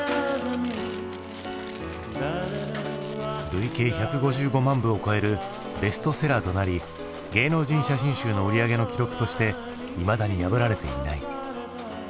累計１５５万部を超えるベストセラーとなり芸能人写真集の売り上げの記録としていまだに破られていない。